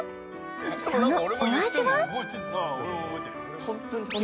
そのお味は？